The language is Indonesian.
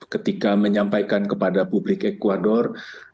ketika menyampaikan kepada publik ecuador